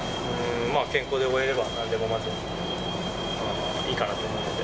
健康で終えれれば、なんでもまず、まあ、いいかなと思いますね。